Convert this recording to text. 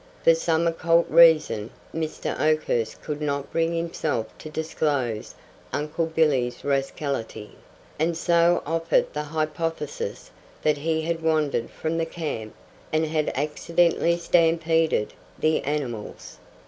For some occult reason, Mr. Oakhurst could not bring himself to disclose Uncle Billy's rascality, and so offered the hypothesis that he had wandered from the camp and had accidentally stampeded the animals.